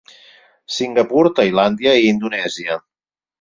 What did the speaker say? Singapur, Tailàndia i Indonèsia.